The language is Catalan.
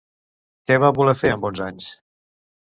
Què va voler fer amb onze anys?